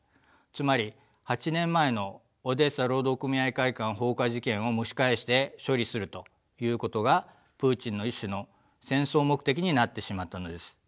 つまり８年前のオデーサ労働組合会館放火事件を蒸し返して処理するということがプーチンの一種の戦争目的になってしまったのです。